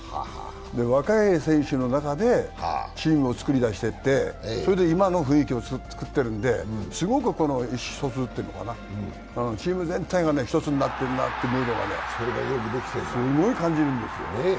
若い選手の中でチームを作り出していってそして今の雰囲気を作っているので、すごく意思疎通というのかな、チーム全体が一つのムードになっているというのをすごく感じるんですね。